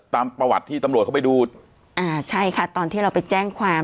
ตามประวัติที่ตำรวจเข้าไปดูอ่าใช่ค่ะตอนที่เราไปแจ้งความ